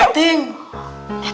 dating lah dating